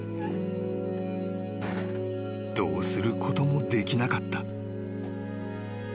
［どうすることもできなかった］